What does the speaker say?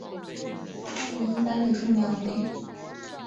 它们一般的重量为。